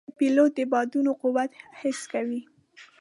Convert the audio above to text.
پیلوټ د بادونو قوت حس کوي.